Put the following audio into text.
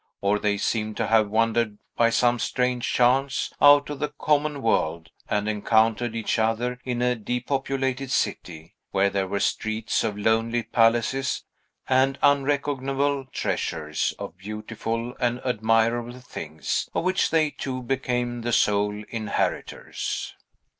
Or they seemed to have wandered, by some strange chance, out of the common world, and encountered each other in a depopulated city, where there were streets of lonely palaces, and unreckonable treasures of beautiful and admirable things, of which they two became the sole inheritors.